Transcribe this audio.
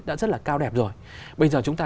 đã rất là cao đẹp rồi bây giờ chúng ta